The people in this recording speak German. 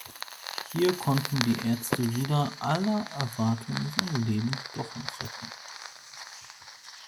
Hier konnten die Ärzte wider aller Erwartungen sein Leben doch noch retten.